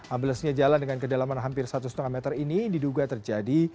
amblesnya jalan dengan kedalaman hampir satu lima meter ini diduga terjadi